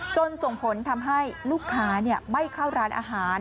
ส่งผลทำให้ลูกค้าไม่เข้าร้านอาหาร